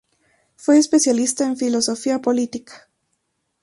Fue especialista en filosofía política.